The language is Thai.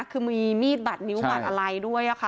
คือมีมีดบัตรนิ้วบัดอะไรด้วยค่ะ